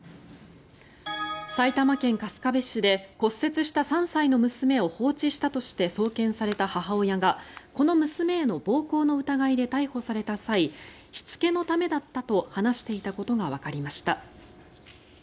埼玉県春日部市で骨折した３歳の娘を放置したとして送検された母親がこの娘への暴行の疑いで逮捕された際しつけのためだったと話していたことがわかりました。